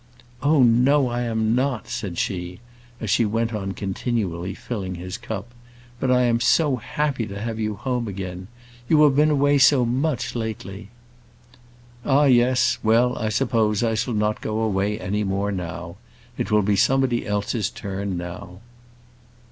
"Oh, no, I am not," said she, as she went on continually filling his cup; "but I am so happy to have you home again. You have been away so much lately." "Ah, yes; well I suppose I shall not go away any more now. It will be somebody else's turn now."